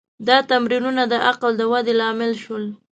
دا تمرینونه د عقل د ودې لامل شول.